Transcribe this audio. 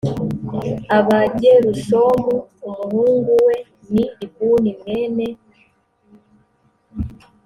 aba gerushomu umuhungu we ni libuni mwene